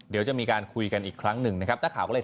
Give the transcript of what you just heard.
เดี๋ยวจะมีการคุยกันอีกครั้งหนึ่งนะครับหน้าข่าวก็เลย